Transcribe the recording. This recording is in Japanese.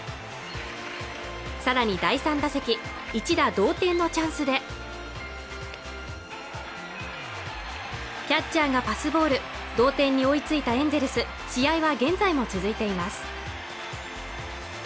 さらに第３打席一打同点のチャンスでキャッチャーがパスボール同点に追いついたエンゼルス試合は現在も続いています